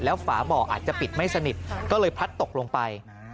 แล้วฝาบ่ออาจจะปิดไม่สนิทก็เลยพลัดตกลงไป